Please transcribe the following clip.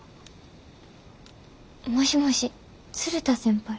もしもし鶴田先輩？